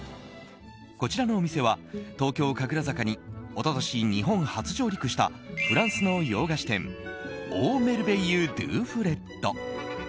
こちらのお店は東京・神楽坂に一昨年、日本初上陸したフランスの洋菓子店オー・メルベイユ・ドゥ・フレッド。